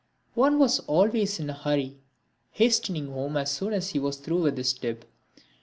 One was always in a hurry, hastening home as soon as he was through with his dip.